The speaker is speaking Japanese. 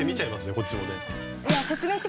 こっちもね。